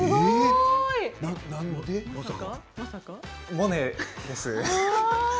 「モネ」です。